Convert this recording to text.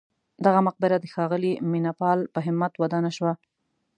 دغه مقبره د ښاغلي مینه پال په همت ودانه شوه.